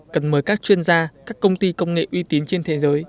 cần mời các chuyên gia các công ty công nghệ uy tín trên thế giới